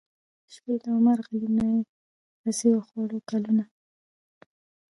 شپې د عمر غلیماني ورځي وخوړې کلونو